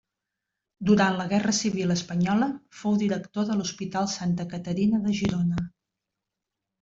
Durant la guerra civil espanyola fou director de l'Hospital Santa Caterina de Girona.